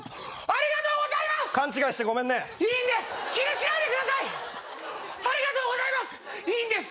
ありがとうございます。